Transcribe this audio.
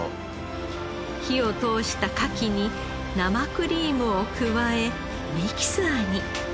火を通したカキに生クリームを加えミキサーに。